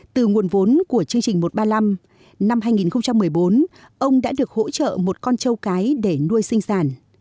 từ nguồn vốn của chương trình một trăm ba mươi năm năm hai nghìn một mươi bốn ông đã được hỗ trợ một con trâu cái để nuôi sinh sản